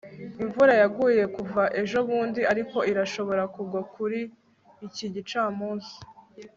Imvura yaguye kuva ejobundi ariko irashobora kugwa kuri iki gicamunsi